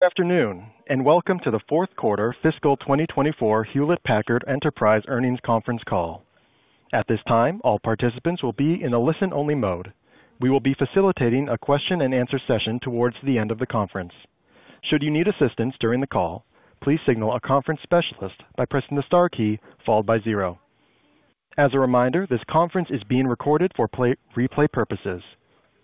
Good afternoon, and Welcome to the Fourth Quarter Fiscal 2024 Hewlett Packard Enterprise Earnings Conference Call. At this time, all participants will be in a listen-only mode. We will be facilitating a question-and-answer session towards the end of the conference. Should you need assistance during the call, please signal a conference specialist by pressing the star key followed by zero. As a reminder, this conference is being recorded for replay purposes.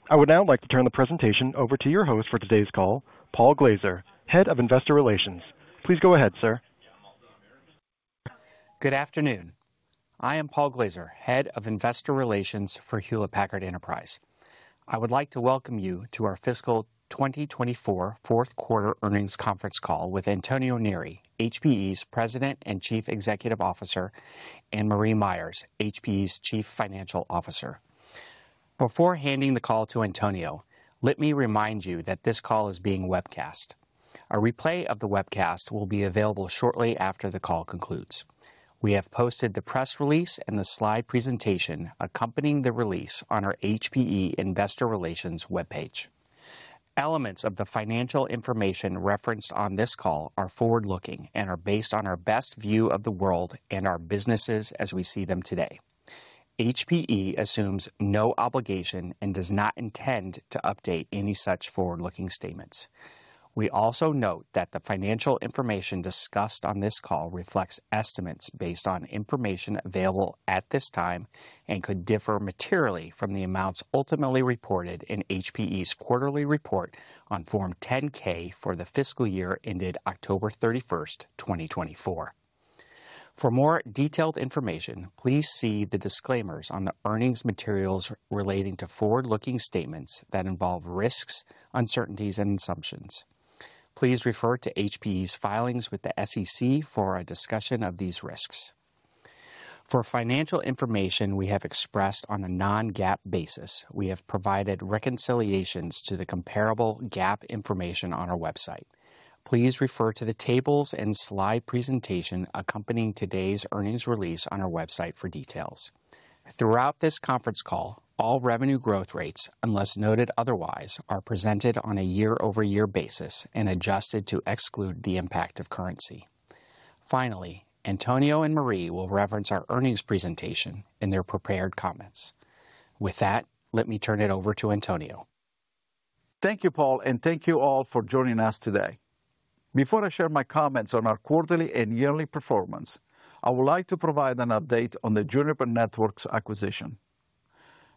I would now like to turn the presentation over to your host for today's call, Paul Glaser, Head of Investor Relations. Please go ahead, sir. Good afternoon. I am Paul Glaser, head of investor relations for Hewlett Packard Enterprise. I would like to welcome you to our fiscal 2024 fourth quarter earnings conference call with Antonio Neri, HPE's President and Chief Executive Officer, and Marie Myers, HPE's Chief Financial Officer. Before handing the call to Antonio, let me remind you that this call is being webcast. A replay of the webcast will be available shortly after the call concludes. We have posted the press release and the slide presentation accompanying the release on our HPE investor relations webpage. Elements of the financial information referenced on this call are forward-looking and are based on our best view of the world and our businesses as we see them today. HPE assumes no obligation and does not intend to update any such forward-looking statements. We also note that the financial information discussed on this call reflects estimates based on information available at this time and could differ materially from the amounts ultimately reported in HPE's quarterly report on Form 10-K for the fiscal year ended October 31st, 2024. For more detailed information, please see the disclaimers on the earnings materials relating to forward-looking statements that involve risks, uncertainties, and assumptions. Please refer to HPE's filings with the SEC for a discussion of these risks. For financial information we have expressed on a non-GAAP basis, we have provided reconciliations to the comparable GAAP information on our website. Please refer to the tables and slide presentation accompanying today's earnings release on our website for details. Throughout this conference call, all revenue growth rates, unless noted otherwise, are presented on a year-over-year basis and adjusted to exclude the impact of currency. Finally, Antonio and Marie will reference our earnings presentation in their prepared comments. With that, let me turn it over to Antonio. Thank you, Paul, and thank you all for joining us today. Before I share my comments on our quarterly and yearly performance, I would like to provide an update on the Juniper Networks acquisition.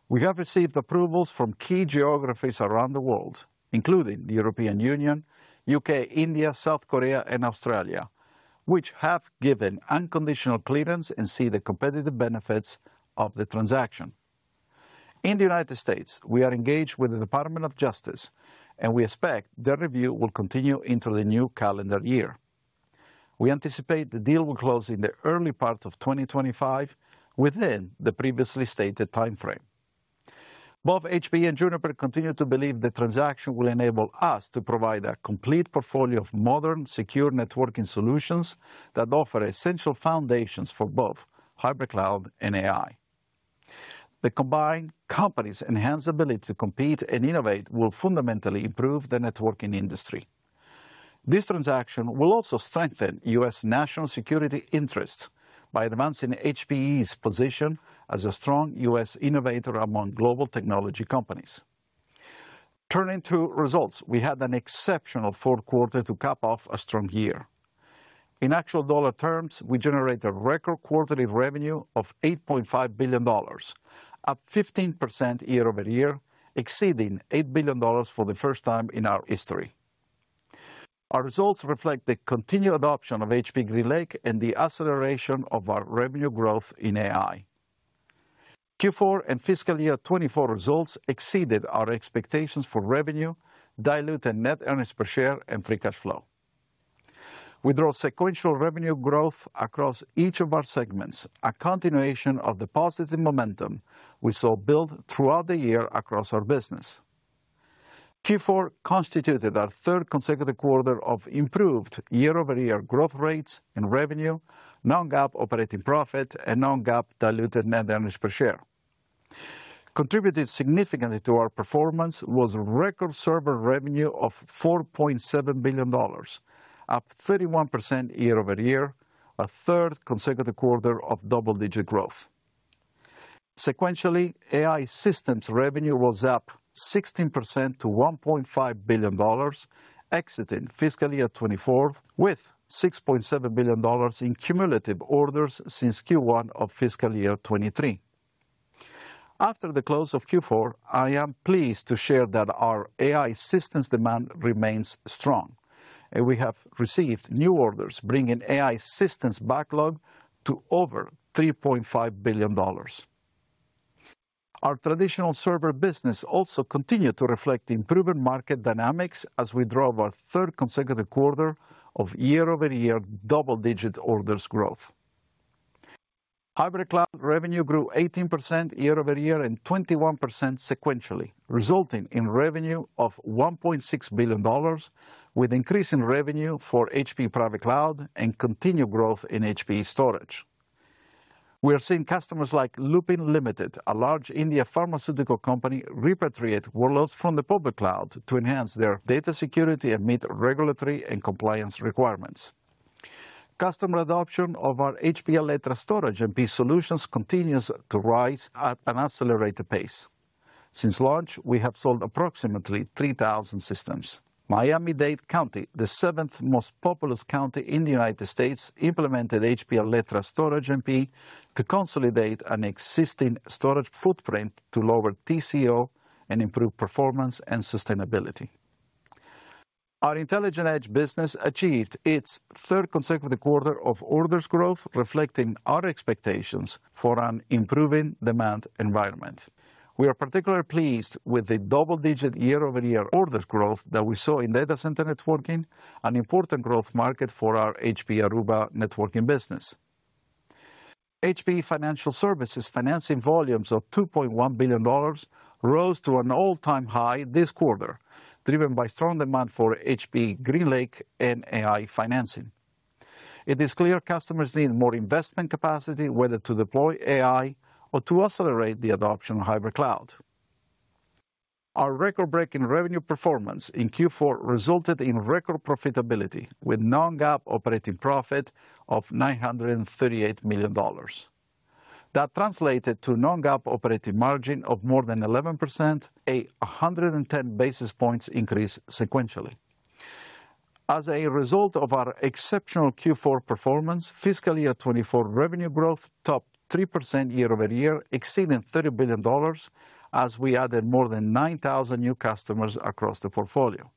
We have received approvals from key geographies around the world, including the European Union, the U.K., India, South Korea, and Australia, which have given unconditional clearance and see the competitive benefits of the transaction. In the United States, we are engaged with the Department of Justice, and we expect their review will continue into the new calendar year. We anticipate the deal will close in the early part of 2025, within the previously stated timeframe. Both HPE and Juniper continue to believe the transaction will enable us to provide a complete portfolio of modern, secure networking solutions that offer essential foundations for both hybrid cloud and AI. The combined company's enhanced ability to compete and innovate will fundamentally improve the networking industry. This transaction will also strengthen U.S. national security interests by advancing HPE's position as a strong U.S. innovator among global technology companies. Turning to results, we had an exceptional fourth quarter to cap off a strong year. In actual dollar terms, we generated a record quarterly revenue of $8.5 billion, up 15% year over year, exceeding $8 billion for the first time in our history. Our results reflect the continued adoption of HPE GreenLake and the acceleration of our revenue growth in AI. Q4 and fiscal year 2024 results exceeded our expectations for revenue, diluted net earnings per share, and free cash flow. We drove sequential revenue growth across each of our segments, a continuation of the positive momentum we saw build throughout the year across our business. Q4 constituted our third consecutive quarter of improved year-over-year growth rates in revenue, non-GAAP operating profit, and non-GAAP diluted net earnings per share. Contributed significantly to our performance was record server revenue of $4.7 billion, up 31% year over year, a third consecutive quarter of double-digit growth. Sequentially, AI systems revenue was up 16% to $1.5 billion, exiting fiscal year 2024 with $6.7 billion in cumulative orders since Q1 of fiscal year 2023. After the close of Q4, I am pleased to share that our AI systems demand remains strong, and we have received new orders bringing AI systems backlog to over $3.5 billion. Our traditional server business also continued to reflect improving market dynamics as we drove our third consecutive quarter of year-over-year double-digit orders growth. Hybrid cloud revenue grew 18% year over year and 21% sequentially, resulting in revenue of $1.6 billion, with increasing revenue for HPE Private Cloud and continued growth in HPE storage. We are seeing customers like Lupin Limited, a large Indian pharmaceutical company, repatriate workloads from the public cloud to enhance their data security and meet regulatory and compliance requirements. Customer adoption of our HPE Alletra Storage MP solutions continues to rise at an accelerated pace. Since launch, we have sold approximately 3,000 systems. Miami-Dade County, the seventh most populous county in the United States, implemented HPE Alletra Storage MP to consolidate an existing storage footprint to lower TCO and improve performance and sustainability. Our intelligent edge business achieved its third consecutive quarter of orders growth, reflecting our expectations for an improving demand environment. We are particularly pleased with the double-digit year-over-year orders growth that we saw in data center networking, an important growth market for our HPE Aruba networking business. HPE Financial Services' financing volumes of $2.1 billion rose to an all-time high this quarter, driven by strong demand for HPE GreenLake and AI financing. It is clear customers need more investment capacity, whether to deploy AI or to accelerate the adoption of hybrid cloud. Our record-breaking revenue performance in Q4 resulted in record profitability, with non-GAAP operating profit of $938 million. That translated to a non-GAAP operating margin of more than 11%, a 110 basis points increase sequentially. As a result of our exceptional Q4 performance, fiscal year 2024 revenue growth topped 3% year over year, exceeding $30 billion, as we added more than 9,000 new customers across the portfolio.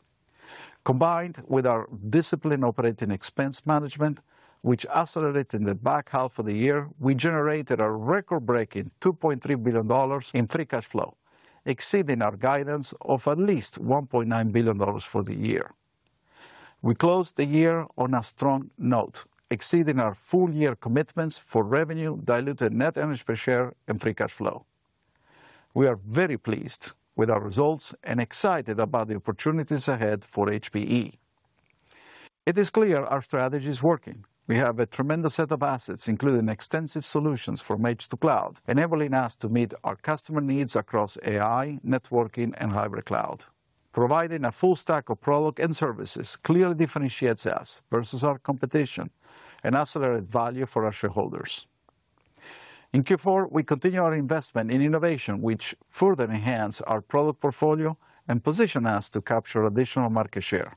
Combined with our disciplined operating expense management, which accelerated in the back half of the year, we generated a record-breaking $2.3 billion in free cash flow, exceeding our guidance of at least $1.9 billion for the year. We closed the year on a strong note, exceeding our full-year commitments for revenue, diluted net earnings per share, and free cash flow. We are very pleased with our results and excited about the opportunities ahead for HPE. It is clear our strategy is working. We have a tremendous set of assets, including extensive solutions from edge to cloud, enabling us to meet our customer needs across AI, networking, and hybrid cloud. Providing a full stack of products and services clearly differentiates us versus our competition and accelerates value for our shareholders. In Q4, we continue our investment in innovation, which further enhances our product portfolio and positions us to capture additional market share.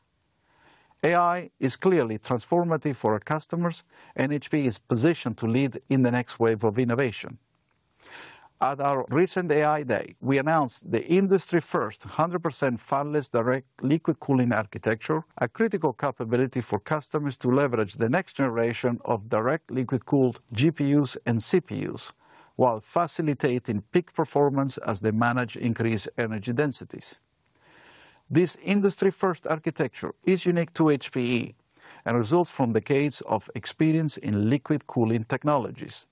AI is clearly transformative for our customers, and HPE is positioned to lead in the next wave of innovation. At our recent AI Day, we announced the industry-first 100% fanless direct liquid cooling architecture, a critical capability for customers to leverage the next generation of direct liquid-cooled GPUs and CPUs while facilitating peak performance as they manage increased energy densities. This industry-first architecture is unique to HPE and results from decades of experience in liquid cooling technologies.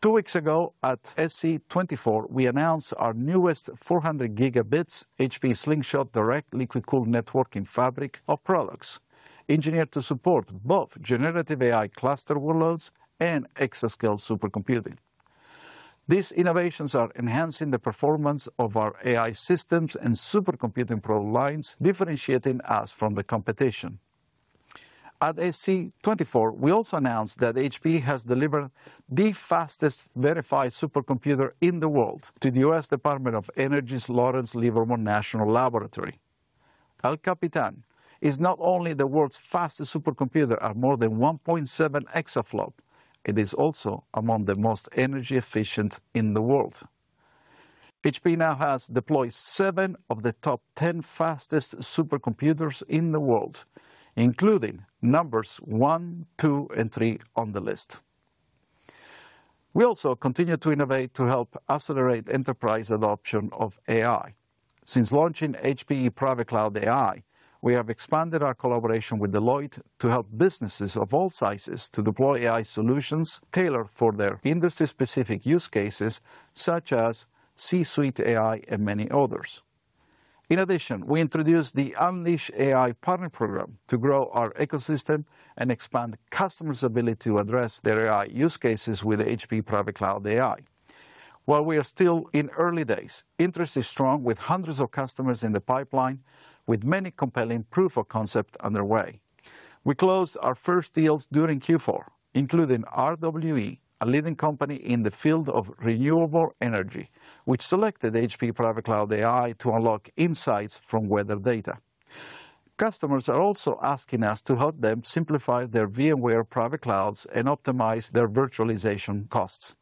Two weeks ago, at SC24, we announced our newest 400 gigabits HPE Slingshot direct liquid cooled networking fabric of products engineered to support both generative AI cluster workloads and exascale supercomputing. These innovations are enhancing the performance of our AI systems and supercomputing product lines, differentiating us from the competition. At SC24, we also announced that HPE has delivered the fastest verified supercomputer in the world to the U.S. Department of Energy's Lawrence Livermore National Laboratory. El Capitan is not only the world's fastest supercomputer at more than 1.7 exaflops, it is also among the most energy-efficient in the world. HPE now has deployed seven of the top 10 fastest supercomputers in the world, including numbers one, two, and three on the list. We also continue to innovate to help accelerate enterprise adoption of AI. Since launching HPE Private Cloud AI, we have expanded our collaboration with Deloitte to help businesses of all sizes to deploy AI solutions tailored for their industry-specific use cases, such as C-suite AI and many others. In addition, we introduced the Unleash AI Partner Program to grow our ecosystem and expand customers' ability to address their AI use cases with HPE Private Cloud AI. While we are still in early days, interest is strong with hundreds of customers in the pipeline, with many compelling proofs of concept underway. We closed our first deals during Q4, including RWE, a leading company in the field of renewable energy, which selected HPE Private Cloud AI to unlock insights from weather data. Customers are also asking us to help them simplify their VMware Private Clouds and optimize their virtualization costs.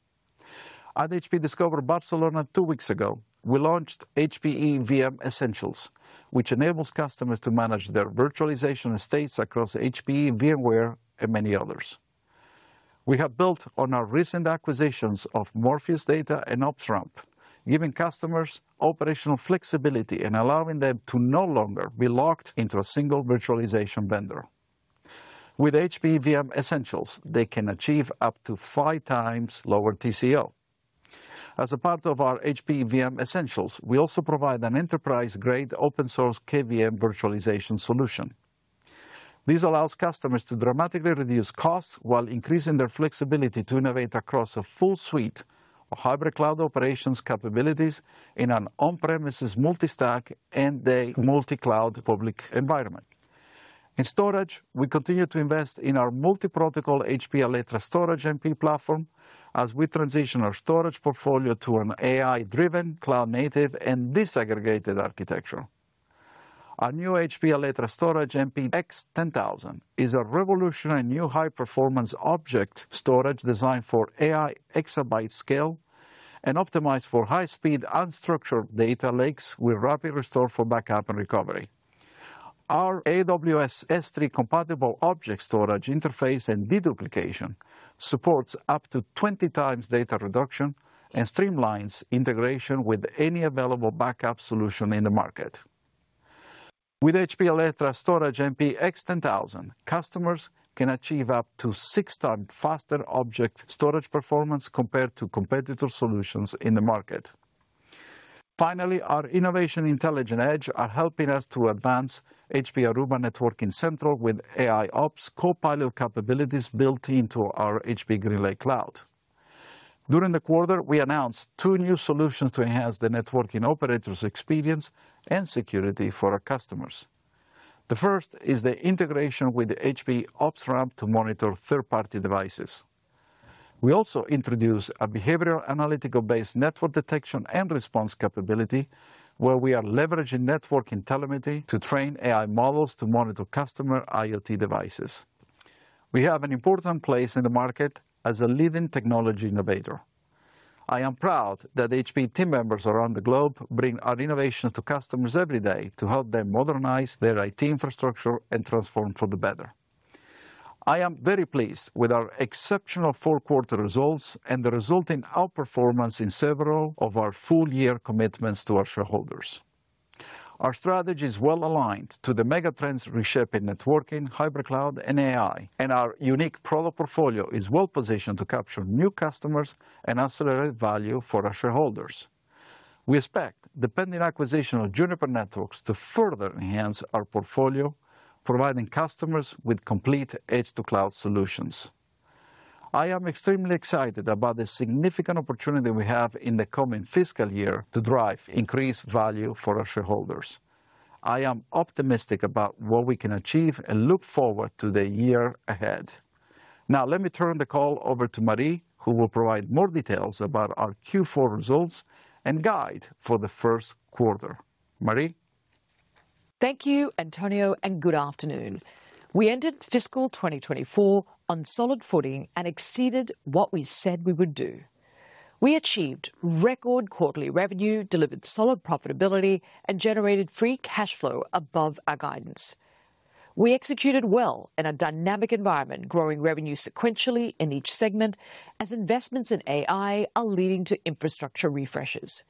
At HPE Discover Barcelona two weeks ago, we launched HPE VM Essentials, which enables customers to manage their virtualization estates across HPE VMware and many others. We have built on our recent acquisitions of Morpheus Data and OpsRamp, giving customers operational flexibility and allowing them to no longer be locked into a single virtualization vendor. With HPE VM Essentials, they can achieve up to five times lower TCO. As a part of our HPE VM Essentials, we also provide an enterprise-grade open-source KVM virtualization solution. This allows customers to dramatically reduce costs while increasing their flexibility to innovate across a full suite of hybrid cloud operations capabilities in an on-premises multi-stack and a multi-cloud public environment. In storage, we continue to invest in our multi-protocol HPE Alletra Storage MP platform as we transition our storage portfolio to an AI-driven, cloud-native, and disaggregated architecture. Our new HPE Alletra Storage MP X10000 is a revolutionary new high-performance object storage designed for AI exabyte scale and optimized for high-speed unstructured data lakes with rapid restore for backup and recovery. Our AWS S3-compatible object storage interface and deduplication supports up to 20 times data reduction and streamlines integration with any available backup solution in the market. With HPE Alletra Storage MP X10000, customers can achieve up to six times faster object storage performance compared to competitor solutions in the market. Finally, our innovative Intelligent Edge is helping us to advance HPE Aruba Networking Central with AIOps Copilot capabilities built into our HPE GreenLake cloud. During the quarter, we announced two new solutions to enhance the networking operators' experience and security for our customers. The first is the integration with HPE OpsRamp to monitor third-party devices. We also introduced a behavioral analytics-based network detection and response capability, where we are leveraging networking telemetry to train AI models to monitor customer IoT devices. We have an important place in the market as a leading technology innovator. I am proud that HPE team members around the globe bring our innovations to customers every day to help them modernize their IT infrastructure and transform for the better. I am very pleased with our exceptional fourth quarter results and the resulting outperformance in several of our full-year commitments to our shareholders. Our strategy is well aligned to the megatrends reshaping networking, hybrid cloud, and AI, and our unique product portfolio is well positioned to capture new customers and accelerate value for our shareholders. We expect the pending acquisition of Juniper Networks to further enhance our portfolio, providing customers with complete edge-to-cloud solutions. I am extremely excited about the significant opportunity we have in the coming fiscal year to drive increased value for our shareholders. I am optimistic about what we can achieve and look forward to the year ahead. Now, let me turn the call over to Marie, who will provide more details about our Q4 results and guide for the first quarter. Marie. Thank you, Antonio, and good afternoon. We ended fiscal 2024 on solid footing and exceeded what we said we would do. We achieved record quarterly revenue, delivered solid profitability, and generated free cash flow above our guidance. We executed well in a dynamic environment, growing revenue sequentially in each segment as investments in AI are leading to infrastructure refreshes.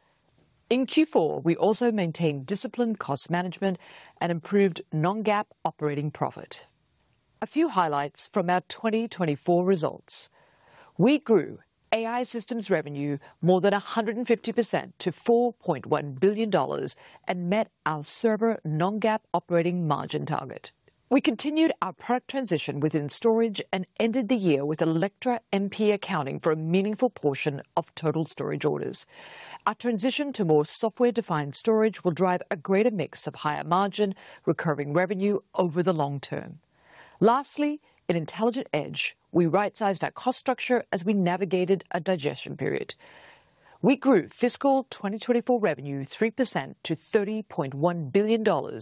In Q4, we also maintained disciplined cost management and improved non-GAAP operating profit. A few highlights from our 2024 results. We grew AI systems revenue more than 150% to $4.1 billion and met our server non-GAAP operating margin target. We continued our product transition within storage and ended the year with Alletra MP accounting for a meaningful portion of total storage orders. Our transition to more software-defined storage will drive a greater mix of higher margin, recurring revenue over the long term. Lastly, in intelligent edge, we right-sized our cost structure as we navigated a digestion period. We grew fiscal 2024 revenue 3% to $30.1 billion,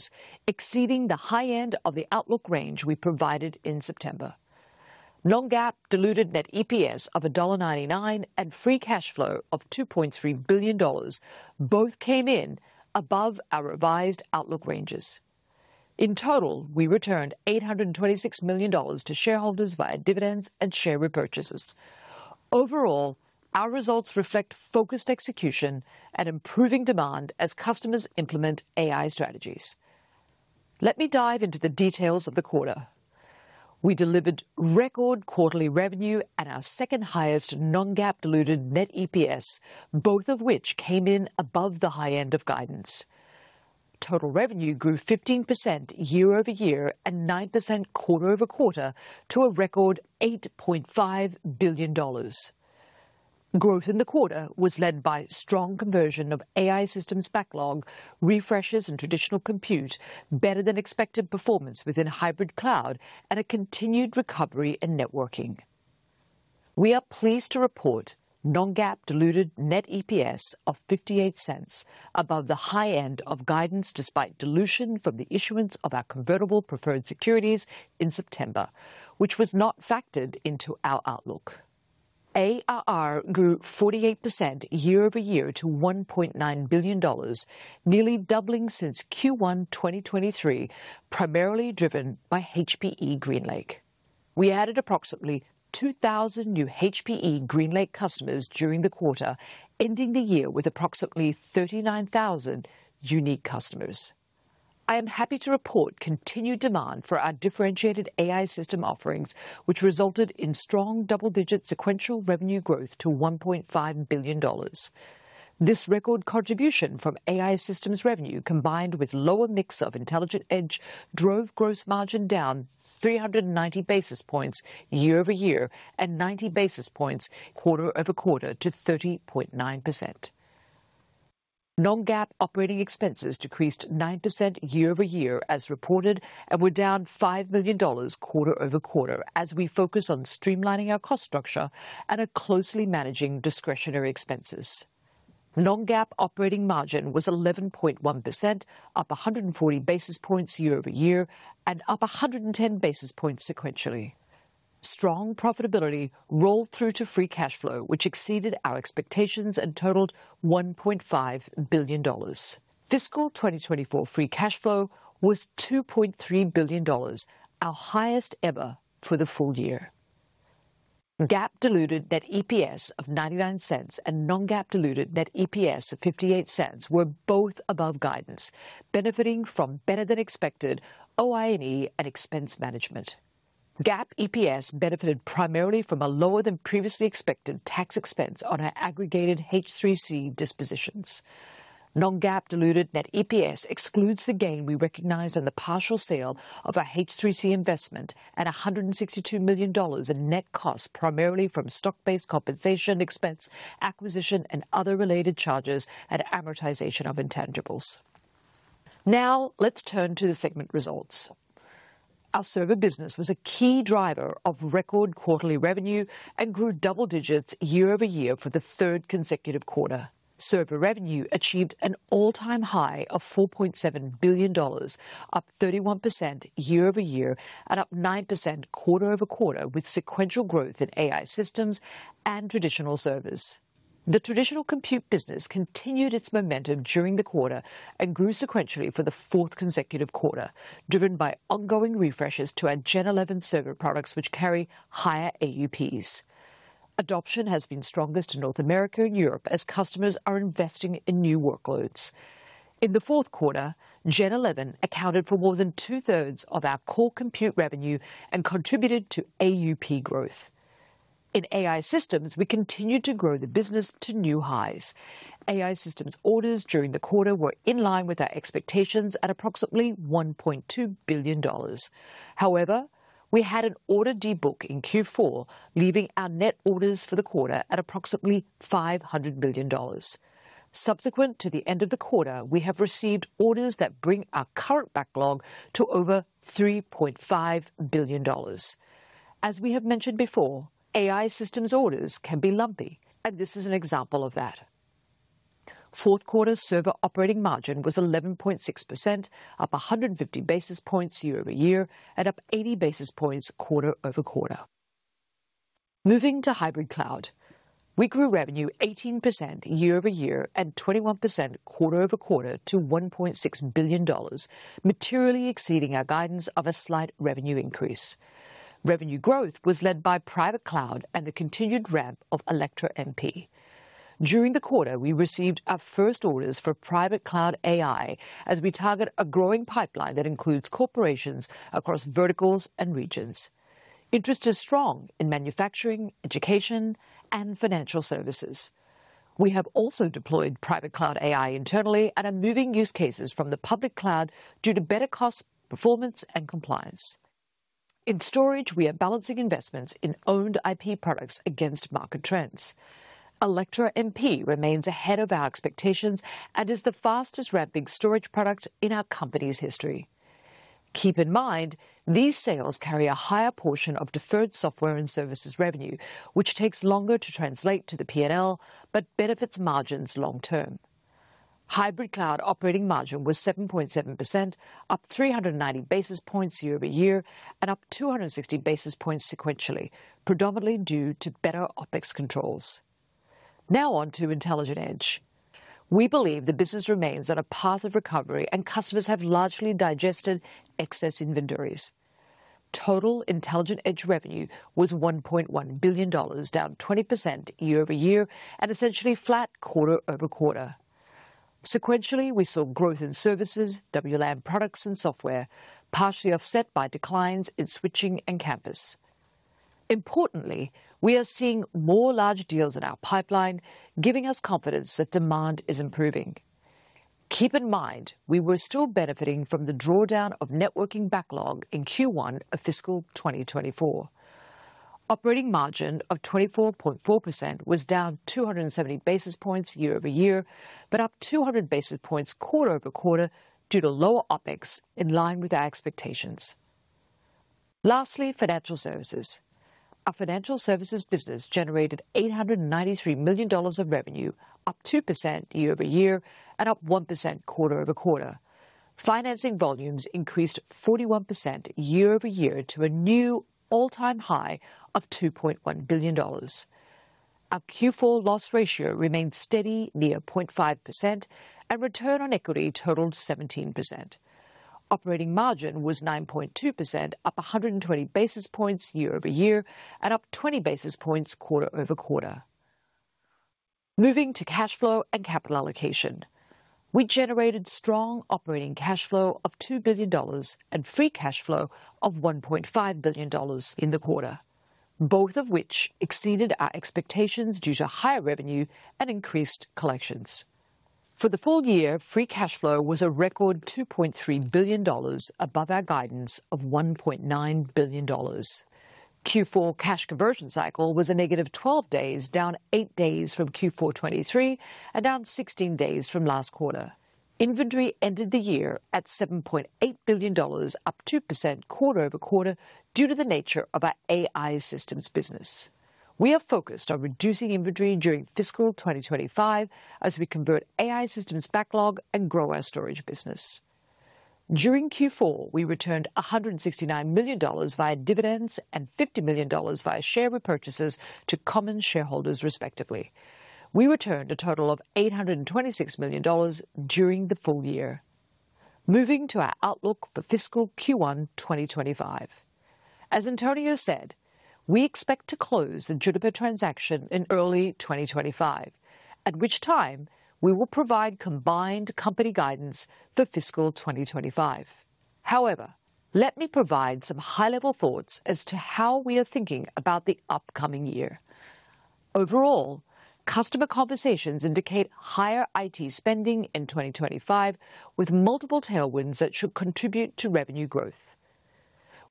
exceeding the high end of the outlook range we provided in September. Non-GAAP diluted net EPS of $1.99 and free cash flow of $2.3 billion both came in above our revised outlook ranges. In total, we returned $826 million to shareholders via dividends and share repurchases. Overall, our results reflect focused execution and improving demand as customers implement AI strategies. Let me dive into the details of the quarter. We delivered record quarterly revenue and our second highest non-GAAP diluted net EPS, both of which came in above the high end of guidance. Total revenue grew 15% year over year and 9% quarter over quarter to a record $8.5 billion. Growth in the quarter was led by strong conversion of AI systems backlog, refreshes in traditional compute, better than expected performance within hybrid cloud, and a continued recovery in networking. We are pleased to report non-GAAP diluted net EPS of $0.58, above the high end of guidance despite dilution from the issuance of our convertible preferred securities in September, which was not factored into our outlook. ARR grew 48% year over year to $1.9 billion, nearly doubling since Q1 2023, primarily driven by HPE GreenLake. We added approximately 2,000 new HPE GreenLake customers during the quarter, ending the year with approximately 39,000 unique customers. I am happy to report continued demand for our differentiated AI system offerings, which resulted in strong double-digit sequential revenue growth to $1.5 billion. This record contribution from AI systems revenue, combined with lower mix of intelligent edge, drove gross margin down 390 basis points year over year and 90 basis points quarter over quarter to 30.9%. Non-GAAP operating expenses decreased 9% year over year as reported and were down $5 million quarter over quarter as we focus on streamlining our cost structure and are closely managing discretionary expenses. Non-GAAP operating margin was 11.1%, up 140 basis points year over year and up 110 basis points sequentially. Strong profitability rolled through to free cash flow, which exceeded our expectations and totaled $1.5 billion. Fiscal 2024 free cash flow was $2.3 billion, our highest ever for the full year. GAAP diluted net EPS of $0.99 and non-GAAP diluted net EPS of $0.58 were both above guidance, benefiting from better than expected OI&E and expense management. GAAP EPS benefited primarily from a lower than previously expected tax expense on our aggregated H3C dispositions. Non-GAAP diluted net EPS excludes the gain we recognized on the partial sale of our H3C investment and $162 million in net costs primarily from stock-based compensation expense, acquisition, and other related charges and amortization of intangibles. Now, let's turn to the segment results. Our server business was a key driver of record quarterly revenue and grew double digits year over year for the third consecutive quarter. Server revenue achieved an all-time high of $4.7 billion, up 31% year over year and up 9% quarter over quarter with sequential growth in AI systems and traditional servers. The traditional compute business continued its momentum during the quarter and grew sequentially for the fourth consecutive quarter, driven by ongoing refreshes to our Gen11 server products, which carry higher AUPs. Adoption has been strongest in North America and Europe as customers are investing in new workloads. In the fourth quarter, Gen11 accounted for more than two-thirds of our core compute revenue and contributed to AUP growth. In AI systems, we continued to grow the business to new highs. AI systems orders during the quarter were in line with our expectations at approximately $1.2 billion. However, we had an order debook in Q4, leaving our net orders for the quarter at approximately $500 million. Subsequent to the end of the quarter, we have received orders that bring our current backlog to over $3.5 billion. As we have mentioned before, AI systems orders can be lumpy, and this is an example of that. Fourth quarter server operating margin was 11.6%, up 150 basis points year over year and up 80 basis points quarter over quarter. Moving to hybrid cloud, we grew revenue 18% year over year and 21% quarter over quarter to $1.6 billion, materially exceeding our guidance of a slight revenue increase. Revenue growth was led by private cloud and the continued ramp of Alletra MP. During the quarter, we received our first orders for Private Cloud AI as we target a growing pipeline that includes corporations across verticals and regions. Interest is strong in manufacturing, education, and financial services. We have also deployed Private Cloud AI internally and are moving use cases from the public cloud due to better cost performance and compliance. In storage, we are balancing investments in owned IP products against market trends. Alletra MP remains ahead of our expectations and is the fastest ramping storage product in our company's history. Keep in mind, these sales carry a higher portion of deferred software and services revenue, which takes longer to translate to the P&L, but benefits margins long term. Hybrid cloud operating margin was 7.7%, up 390 basis points year over year and up 260 basis points sequentially, predominantly due to better OpEx controls. Now on to intelligent edge. We believe the business remains on a path of recovery and customers have largely digested excess inventories. Total intelligent edge revenue was $1.1 billion, down 20% year over year and essentially flat quarter over quarter. Sequentially, we saw growth in services, WLAN products, and software, partially offset by declines in switching and campus. Importantly, we are seeing more large deals in our pipeline, giving us confidence that demand is improving. Keep in mind, we were still benefiting from the drawdown of networking backlog in Q1 of fiscal 2024. Operating margin of 24.4% was down 270 basis points year over year, but up 200 basis points quarter over quarter due to lower OpEx in line with our expectations. Lastly, financial services. Our financial services business generated $893 million of revenue, up 2% year over year and up 1% quarter over quarter. Financing volumes increased 41% year over year to a new all-time high of $2.1 billion. Our Q4 loss ratio remained steady near 0.5% and return on equity totaled 17%. Operating margin was 9.2%, up 120 basis points year over year and up 20 basis points quarter over quarter. Moving to cash flow and capital allocation. We generated strong operating cash flow of $2 billion and free cash flow of $1.5 billion in the quarter, both of which exceeded our expectations due to higher revenue and increased collections. For the full year, free cash flow was a record $2.3 billion, above our guidance of $1.9 billion. Q4 cash conversion cycle was a negative 12 days, down 8 days from Q4 2023 and down 16 days from last quarter. Inventory ended the year at $7.8 billion, up 2% quarter over quarter due to the nature of our AI systems business. We are focused on reducing inventory during fiscal 2025 as we convert AI systems backlog and grow our storage business. During Q4, we returned $169 million via dividends and $50 million via share repurchases to common shareholders, respectively. We returned a total of $826 million during the full year. Moving to our outlook for fiscal Q1 2025. As Antonio said, we expect to close the Juniper transaction in early 2025, at which time we will provide combined company guidance for fiscal 2025. However, let me provide some high-level thoughts as to how we are thinking about the upcoming year. Overall, customer conversations indicate higher IT spending in 2025, with multiple tailwinds that should contribute to revenue growth.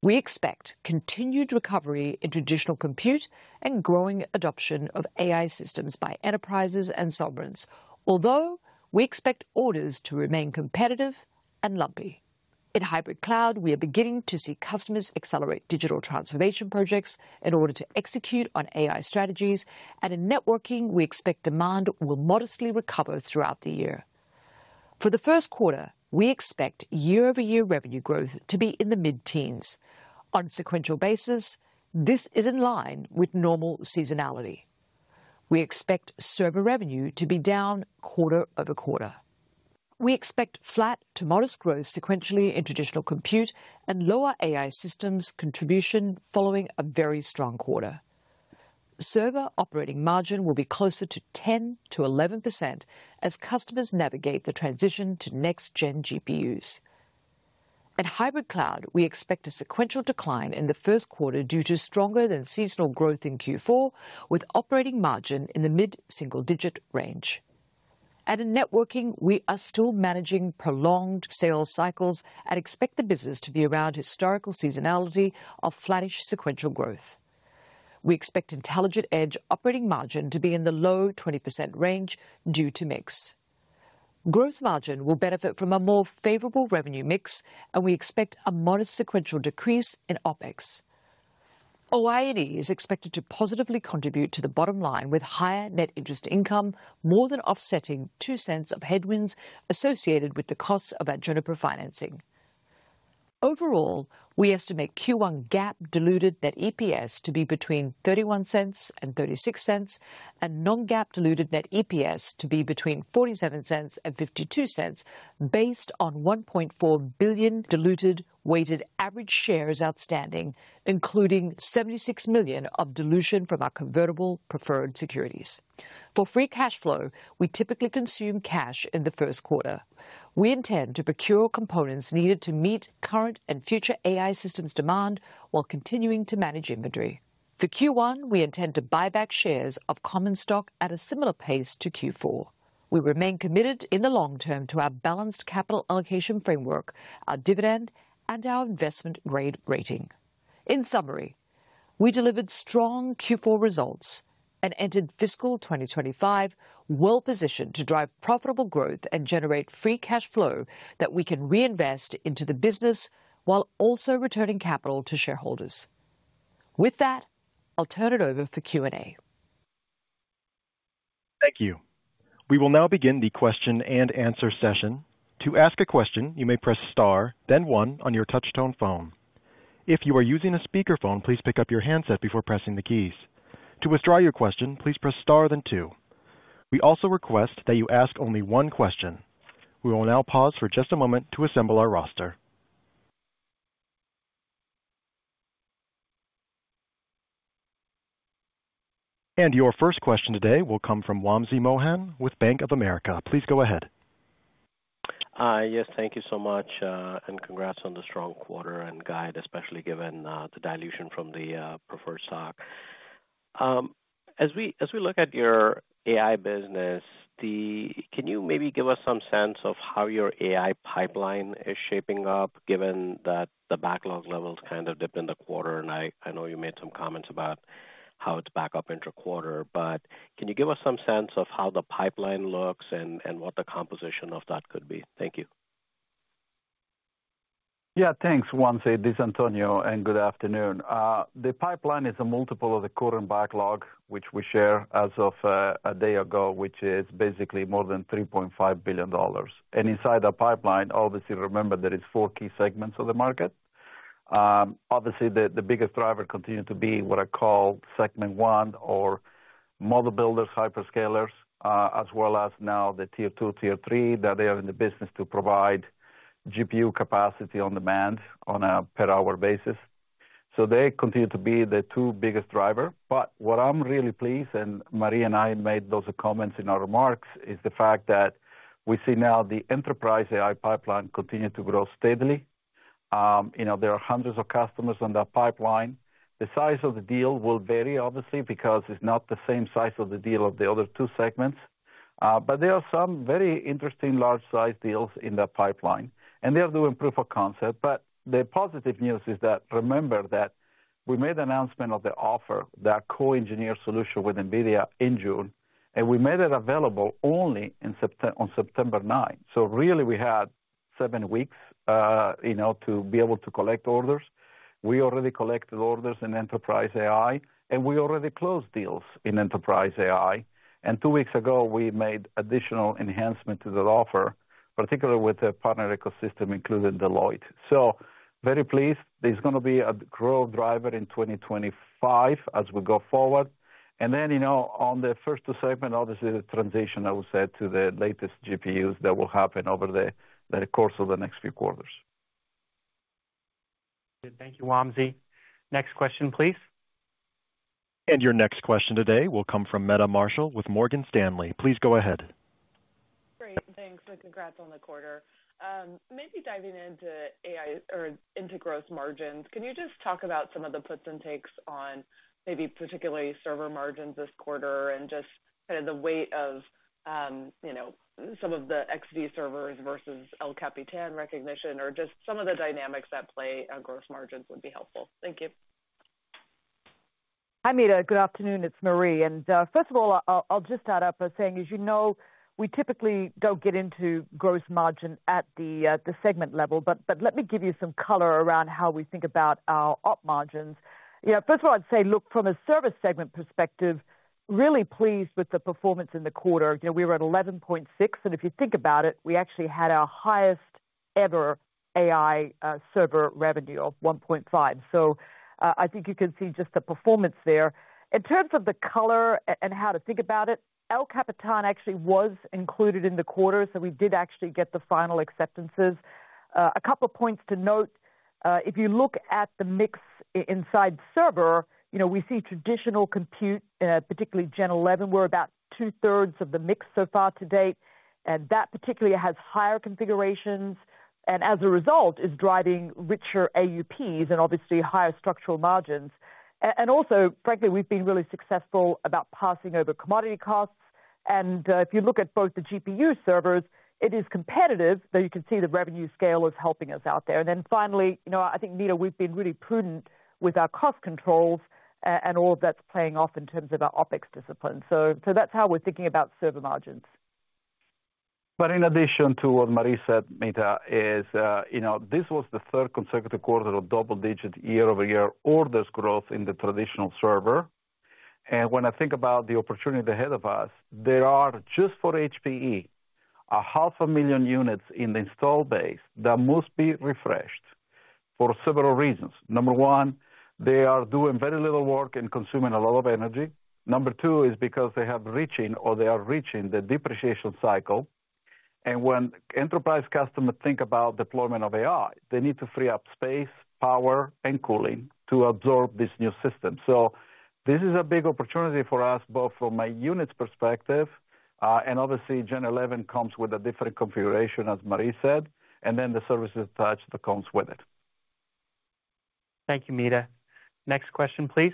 We expect continued recovery in traditional compute and growing adoption of AI systems by enterprises and sovereigns, although we expect orders to remain competitive and lumpy. In hybrid cloud, we are beginning to see customers accelerate digital transformation projects in order to execute on AI strategies, and in networking, we expect demand will modestly recover throughout the year. For the first quarter, we expect year-over-year revenue growth to be in the mid-teens. On a sequential basis, this is in line with normal seasonality. We expect server revenue to be down quarter over quarter. We expect flat to modest growth sequentially in traditional compute and lower AI systems contribution following a very strong quarter. Server operating margin will be closer to 10%-11% as customers navigate the transition to next-gen GPUs. In hybrid cloud, we expect a sequential decline in the first quarter due to stronger than seasonal growth in Q4, with operating margin in the mid-single-digit range. At networking, we are still managing prolonged sales cycles and expect the business to be around historical seasonality of flattish sequential growth. We expect intelligent edge operating margin to be in the low-20% range due to mix. Gross margin will benefit from a more favorable revenue mix, and we expect a modest sequential decrease in OpEx. OI&E is expected to positively contribute to the bottom line with higher net interest income, more than offsetting $0.02 of headwinds associated with the costs of our Juniper financing. Overall, we estimate Q1 GAAP diluted net EPS to be between $0.31 and $0.36 and non-GAAP diluted net EPS to be between $0.47 and $0.52, based on 1.4 billion diluted weighted average shares outstanding, including 76 million of dilution from our convertible preferred securities. For free cash flow, we typically consume cash in the first quarter. We intend to procure components needed to meet current and future AI systems demand while continuing to manage inventory. For Q1, we intend to buy back shares of common stock at a similar pace to Q4. We remain committed in the long term to our balanced capital allocation framework, our dividend, and our investment grade rating. In summary, we delivered strong Q4 results and entered fiscal 2025 well-positioned to drive profitable growth and generate free cash flow that we can reinvest into the business while also returning capital to shareholders. With that, I'll turn it over for Q&A. Thank you. We will now begin the question and answer session. To ask a question, you may press star, then one on your touch-tone phone. If you are using a speakerphone, please pick up your handset before pressing the keys. To withdraw your question, please press star, then two. We also request that you ask only one question. We will now pause for just a moment to assemble our roster. And your first question today will come from Wamsi Mohan with Bank of America. Please go ahead. Hi. Yes, thank you so much, and congrats on the strong quarter and guide, especially given the dilution from the preferred stock. As we look at your AI business, can you maybe give us some sense of how your AI pipeline is shaping up, given that the backlog levels kind of dip in the quarter? And I know you made some comments about how it's back up into quarter, but can you give us some sense of how the pipeline looks and what the composition of that could be? Thank you. Yeah, thanks, Wamsi. This is Antonio, and good afternoon. The pipeline is a multiple of the current backlog, which we shared as of a day ago, which is basically more than $3.5 billion. And inside the pipeline, obviously, remember there are four key segments of the market. Obviously, the biggest driver continues to be what I call segment one or model builders, hyperscalers, as well as now the tier two, tier three that they are in the business to provide GPU capacity on demand on a per-hour basis. So they continue to be the two biggest drivers. But what I'm really pleased, and Marie and I made those comments in our remarks, is the fact that we see now the enterprise AI pipeline continue to grow steadily. There are hundreds of customers on that pipeline. The size of the deal will vary, obviously, because it's not the same size of the deal of the other two segments. But there are some very interesting large-sized deals in that pipeline, and they are doing proof of concept. But the positive news is that, remember, that we made the announcement of the offering, that co-engineered solution with NVIDIA in June, and we made it available only on September 9. So really, we had seven weeks to be able to collect orders. We already collected orders in enterprise AI, and we already closed deals in enterprise AI. And two weeks ago, we made additional enhancement to the offer, particularly with the partner ecosystem, including Deloitte. So very pleased. There's going to be a growth driver in 2025 as we go forward. And then on the first two segments, obviously, the transition, I would say, to the latest GPUs that will happen over the course of the next few quarters. Thank you, Wamsi. Next question, please. And your next question today will come from Meta Marshall with Morgan Stanley. Please go ahead. Great. Thanks. And congrats on the quarter. Maybe diving into AI or into gross margins, can you just talk about some of the puts and takes on maybe particularly server margins this quarter and just kind of the weight of some of the EX servers versus El Capitan recognition, or just some of the dynamics that play on gross margins would be helpful? Thank you. Hi, Meta. Good afternoon. It's Marie, and first of all, I'll just start out by saying, as you know, we typically don't get into gross margin at the segment level, but let me give you some color around how we think about our op margins. First of all, I'd say, look, from a service segment perspective, really pleased with the performance in the quarter. We were at 11.6%, and if you think about it, we actually had our highest-ever AI server revenue of $1.5 billion. So I think you can see just the performance there. In terms of the color and how to think about it, LKP10 actually was included in the quarter, so we did actually get the final acceptances. A couple of points to note. If you look at the mix inside server, we see traditional compute, particularly Gen11, we're about two-thirds of the mix so far to date. And that particularly has higher configurations and, as a result, is driving richer AUPs and obviously higher structural margins. And also, frankly, we've been really successful about passing over commodity costs. And if you look at both the GPU servers, it is competitive, but you can see the revenue scale is helping us out there. And then finally, I think, Meta, we've been really prudent with our cost controls and all of that's playing off in terms of our OpEx discipline. So that's how we're thinking about server margins. But in addition to what Marie said, Meta, this was the third consecutive quarter of double-digit year-over-year orders growth in the traditional server. And when I think about the opportunity ahead of us, there are, just for HPE, 500,000 units in the install base that must be refreshed for several reasons. Number one, they are doing very little work and consuming a lot of energy. Number two is because they have reaching, or they are reaching, the depreciation cycle, and when enterprise customers think about deployment of AI, they need to free up space, power, and cooling to absorb this new system. So this is a big opportunity for us, both from a unit's perspective. And obviously, Gen 11 comes with a different configuration, as Marie said, and then the services attached that comes with it. Thank you, Meta. Next question, please.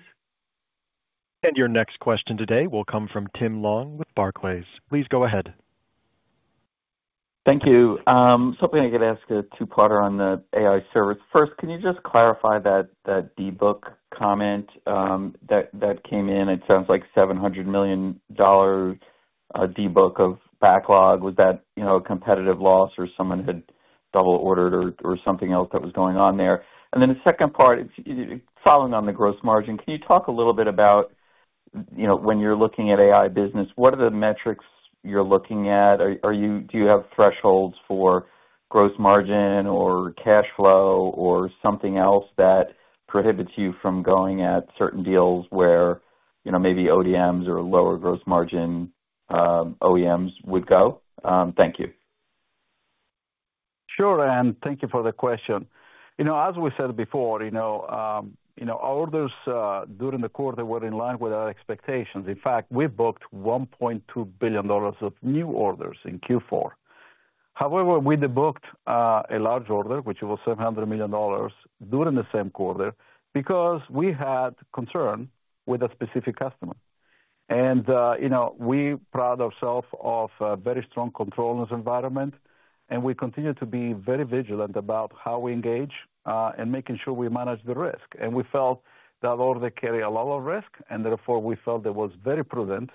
And your next question today will come from Tim Long with Barclays. Please go ahead. Thank you. Something I could ask the two on the AI servers. First, can you just clarify that debook comment that came in? It sounds like $700 million debook of backlog. Was that a competitive loss or someone had double-ordered or something else that was going on there? And then the second part, following on the gross margin, can you talk a little bit about when you're looking at AI business, what are the metrics you're looking at? Do you have thresholds for gross margin or cash flow or something else that prohibits you from going at certain deals where maybe ODMs or lower gross margin OEMs would go? Thank you. Sure. And thank you for the question. As we said before, our orders during the quarter were in line with our expectations. In fact, we booked $1.2 billion of new orders in Q4. However, we debooked a large order, which was $700 million during the same quarter because we had concern with a specific customer. We pride ourselves on a very strong control environment, and we continue to be very vigilant about how we engage and making sure we manage the risk. We felt that orders carry a lot of risk, and therefore, we felt it was very prudent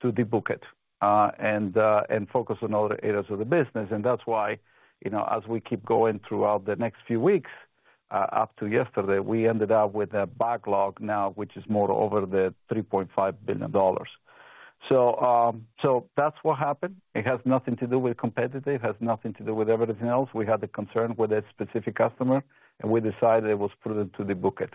to debook it and focus on other areas of the business. That's why, as we keep going throughout the next few weeks, up to yesterday, we ended up with a backlog now, which is now over $3.5 billion. That's what happened. It has nothing to do with competition. It has nothing to do with everything else. We had the concern with a specific customer, and we decided it was prudent to debook it.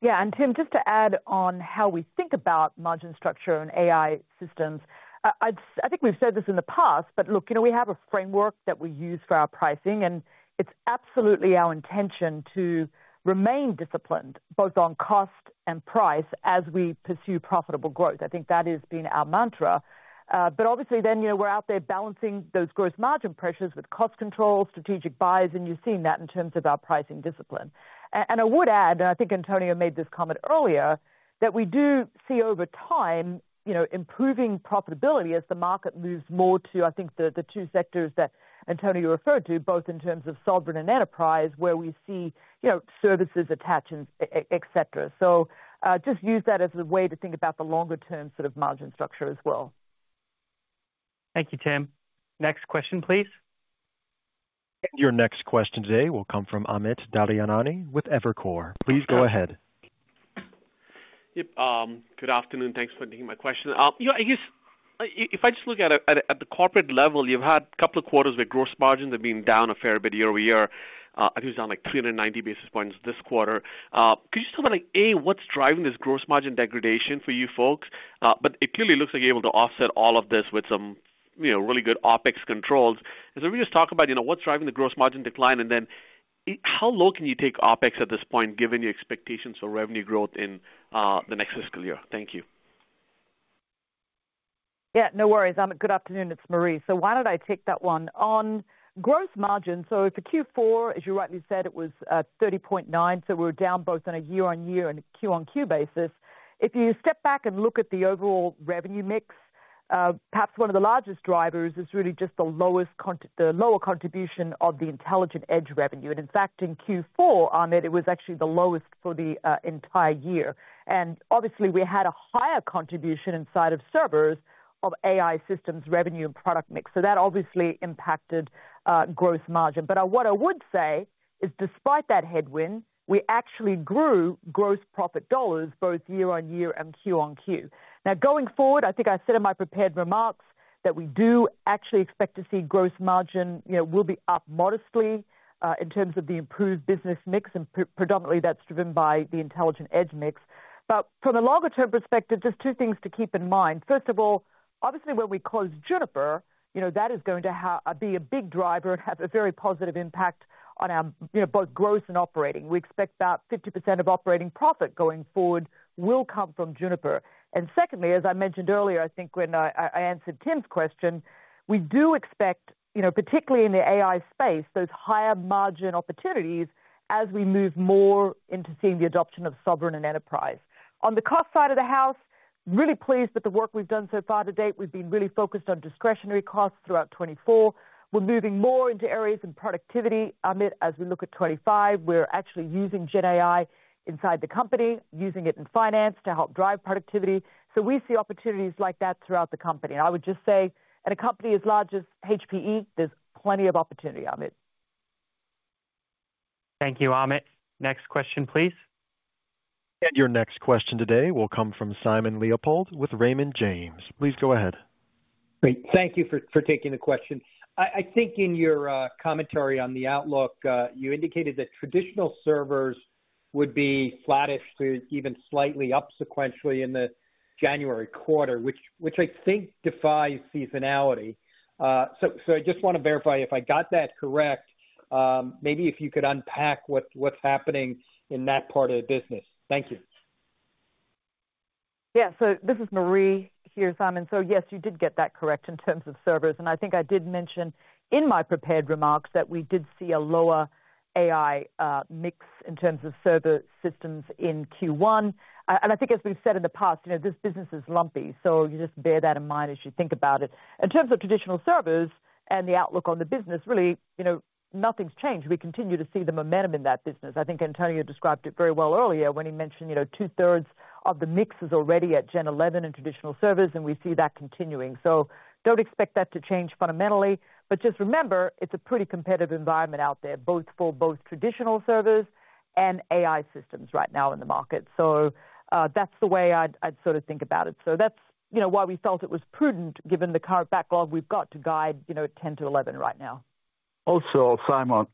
Yeah. And Tim, just to add on how we think about margin structure and AI systems, I think we've said this in the past, but look, we have a framework that we use for our pricing, and it's absolutely our intention to remain disciplined both on cost and price as we pursue profitable growth. I think that has been our mantra. But obviously, then we're out there balancing those gross margin pressures with cost control, strategic buyers, and you've seen that in terms of our pricing discipline. And I would add, and I think Antonio made this comment earlier, that we do see over time improving profitability as the market moves more to, I think, the two sectors that Antonio referred to, both in terms of sovereign and enterprise, where we see services attached, etc. So just use that as a way to think about the longer-term sort of margin structure as well. Thank you, Tim. Next question, please. And your next question today will come from Amit Daryanani with Evercore. Please go ahead. Yep. Good afternoon. Thanks for taking my question. I guess if I just look at the corporate level, you've had a couple of quarters where gross margins have been down a fair bit year over year. I think it was down like 390 basis points this quarter. Could you talk about, A, what's driving this gross margin degradation for you folks? But it clearly looks like you're able to offset all of this with some really good OpEx controls. So let me just talk about what's driving the gross margin decline, and then how low can you take OpEx at this point, given your expectations for revenue growth in the next fiscal year? Thank you. Yeah. No worries. Good afternoon. It's Marie. So why don't I take that one on gross margin? So for Q4, as you rightly said, it was 30.9%. So we're down both on a year-on-year and a Q-on-Q basis. If you step back and look at the overall revenue mix, perhaps one of the largest drivers is really just the lower contribution of the intelligent edge revenue. And in fact, in Q4, Amit, it was actually the lowest for the entire year. And obviously, we had a higher contribution inside of servers of AI systems revenue and product mix. So that obviously impacted gross margin. But what I would say is, despite that headwind, we actually grew gross profit dollars both year-on-year and Q-on-Q. Now, going forward, I think I said in my prepared remarks that we do actually expect to see gross margin will be up modestly in terms of the improved business mix, and predominantly that's driven by the intelligent edge mix. But from a longer-term perspective, just two things to keep in mind. First of all, obviously, when we close Juniper, that is going to be a big driver and have a very positive impact on both gross and operating. We expect about 50% of operating profit going forward will come from Juniper. And secondly, as I mentioned earlier, I think when I answered Tim's question, we do expect, particularly in the AI space, those higher margin opportunities as we move more into seeing the adoption of sovereign and enterprise. On the cost side of the house, really pleased with the work we've done so far to date. We've been really focused on discretionary costs throughout 2024. We're moving more into areas in productivity. Amit, as we look at 2025, we're actually using Gen AI inside the company, using it in finance to help drive productivity. So we see opportunities like that throughout the company. And I would just say, at a company as large as HPE, there's plenty of opportunity, Amit. Thank you, Amit. Next question, please. And your next question today will come from Simon Leopold with Raymond James. Please go ahead. Great. Thank you for taking the question. I think in your commentary on the outlook, you indicated that traditional servers would be flattish to even slightly up sequentially in the January quarter, which I think defies seasonality. So I just want to verify if I got that correct. Maybe if you could unpack what's happening in that part of the business. Thank you. Yeah. So this is Marie here, Simon. So yes, you did get that correct in terms of servers. And I think I did mention in my prepared remarks that we did see a lower AI mix in terms of server systems in Q1. And I think, as we've said in the past, this business is lumpy. So you just bear that in mind as you think about it. In terms of traditional servers and the outlook on the business, really, nothing's changed. We continue to see the momentum in that business. I think Antonio described it very well earlier when he mentioned two-thirds of the mix is already at Gen 11 and traditional servers, and we see that continuing. So don't expect that to change fundamentally. But just remember, it's a pretty competitive environment out there, both for traditional servers and AI systems right now in the market. So that's the way I'd sort of think about it. So that's why we felt it was prudent, given the current backlog we've got to guide 10 to 11 right now. Also, Simon,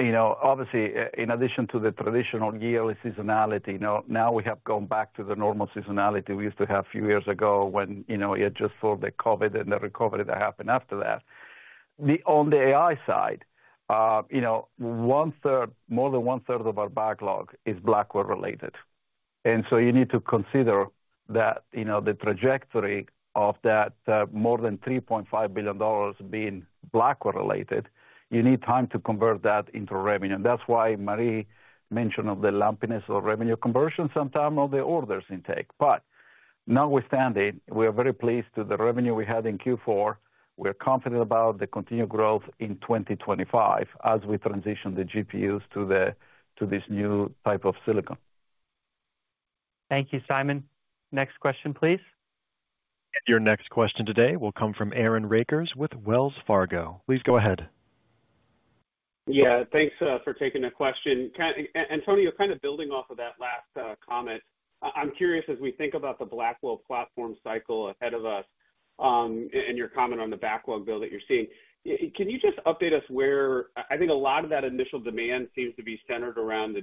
obviously, in addition to the traditional yearly seasonality, now we have gone back to the normal seasonality we used to have a few years ago when you had just for the COVID and the recovery that happened after that. On the AI side, more than one-third of our backlog is Blackwell-related. And so you need to consider that the trajectory of that more than $3.5 billion being Blackwell-related, you need time to convert that into revenue. And that's why Marie mentioned the lumpiness of revenue conversion sometime on the orders intake. But notwithstanding, we are very pleased with the revenue we had in Q4. We are confident about the continued growth in 2025 as we transition the GPUs to this new type of silicon. Thank you, Simon. Next question, please. And your next question today will come from Aaron Rakers with Wells Fargo. Please go ahead. Yeah. Thanks for taking the question. Antonio, kind of building off of that last comment, I'm curious, as we think about the Blackwell platform cycle ahead of us and your comment on the backlog build that you're seeing, can you just update us where I think a lot of that initial demand seems to be centered around the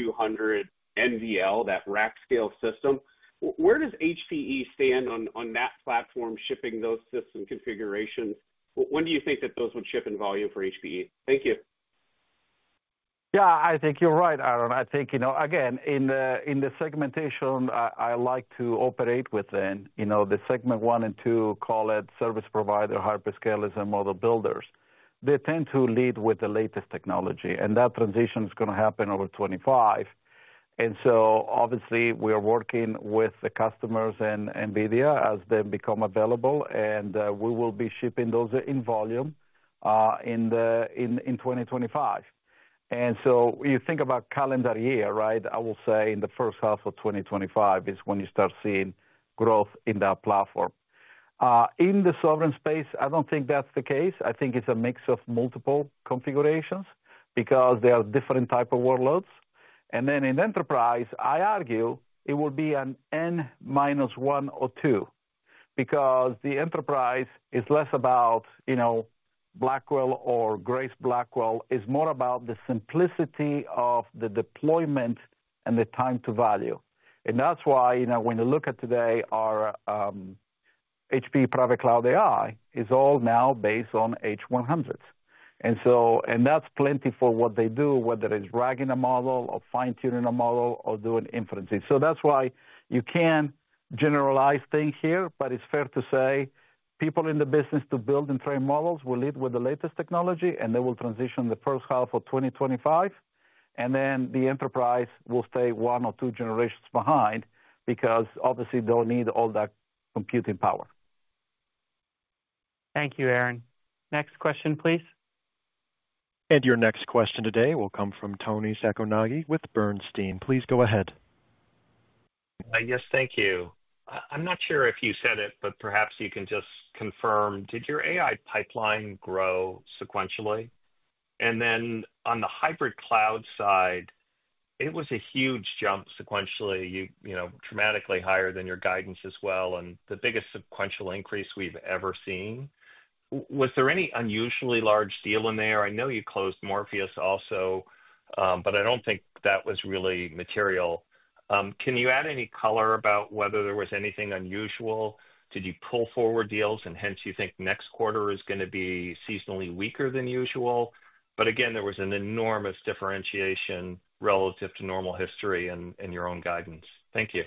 GB200 NVL, that rack-scale system? Where does HPE stand on that platform shipping those system configurations? When do you think that those would ship in volume for HPE? Thank you. Yeah, I think you're right, Aaron. I think, again, in the segmentation, I like to operate within the segment one and two, call it service provider, hyperscalers, and model builders. They tend to lead with the latest technology, and that transition is going to happen over 2025. And so obviously, we are working with the customers and NVIDIA as they become available, and we will be shipping those in volume in 2025. And so you think about calendar year, right? I will say in the first half of 2025 is when you start seeing growth in that platform. In the sovereign space, I don't think that's the case. I think it's a mix of multiple configurations because there are different types of workloads. And then in enterprise, I argue it will be an N minus one or two because the enterprise is less about Blackwell or Grace Blackwell. It's more about the simplicity of the deployment and the time to value. And that's why when you look at today, our HPE Private Cloud AI is all now based on H100s. And that's plenty for what they do, whether it's RAGging a model or fine-tuning a model or doing inferences. So that's why you can't generalize things here, but it's fair to say people in the business to build and train models will lead with the latest technology, and they will transition the first half of 2025. And then the enterprise will stay one or two generations behind because obviously, they'll need all that computing power. Thank you, Aaron. Next question, please. And your next question today will come from Toni Sacconaghi with Bernstein. Please go ahead. Yes, thank you. I'm not sure if you said it, but perhaps you can just confirm. Did your AI pipeline grow sequentially? And then on the hybrid cloud side, it was a huge jump sequentially, dramatically higher than your guidance as well, and the biggest sequential increase we've ever seen. Was there any unusually large deal in there? I know you closed Morpheus also, but I don't think that was really material. Can you add any color about whether there was anything unusual? Did you pull forward deals, and hence you think next quarter is going to be seasonally weaker than usual? But again, there was an enormous differentiation relative to normal history and your own guidance. Thank you.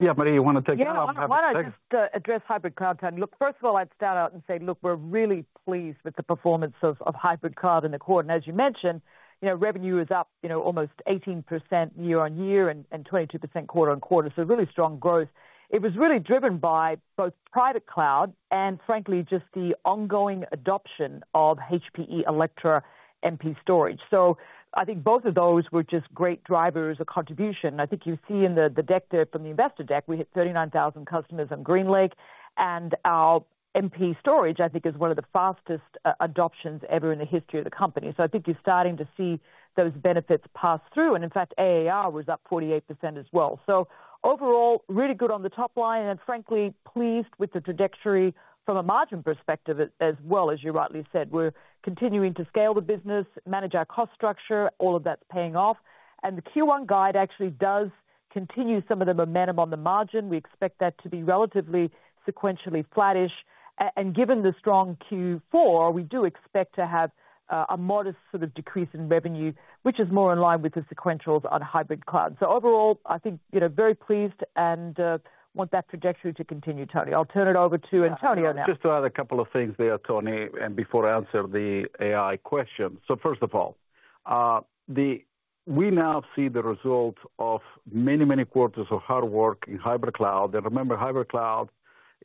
Yeah, Marie, you want to take it off? Yeah, I want to just address hybrid cloud time. Look, first of all, I'd start out and say, look, we're really pleased with the performance of hybrid cloud in the quarter. And as you mentioned, revenue is up almost 18% year-on-year and 22% quarter-on-quarter. So really strong growth. It was really driven by both private cloud and, frankly, just the ongoing adoption of HPE Alletra MP Storage. So I think both of those were just great drivers of contribution. I think you see in the deck there from the investor deck, we hit 39,000 customers on GreenLake. And our MP Storage, I think, is one of the fastest adoptions ever in the history of the company. So I think you're starting to see those benefits pass through. And in fact, ARR was up 48% as well. So overall, really good on the top line. Frankly, pleased with the trajectory from a margin perspective as well, as you rightly said. We're continuing to scale the business, manage our cost structure. All of that's paying off. The Q1 guide actually does continue some of the momentum on the margin. We expect that to be relatively sequentially flattish. Given the strong Q4, we do expect to have a modest sort of decrease in revenue, which is more in line with the sequentials on hybrid cloud. Overall, I think very pleased and want that trajectory to continue, Toni. I'll turn it over to Antonio now. Just to add a couple of things there, Toni, and before I answer the AI question. First of all, we now see the result of many, many quarters of hard work in hybrid cloud. Remember, hybrid cloud